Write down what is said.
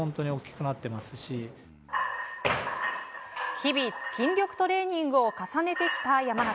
日々、筋力トレーニングを重ねてきた山縣。